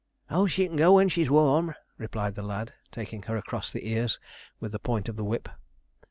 'Oh, she can go when she's warm,' replied the lad, taking her across the ears with the point of the whip.